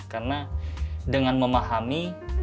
karena dengan memahami